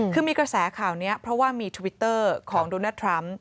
คือมีกระแสข่าวนี้เพราะว่ามีทวิตเตอร์ของโดนัลดทรัมป์